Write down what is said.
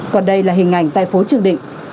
còn đây là hình ảnh tại phố trường định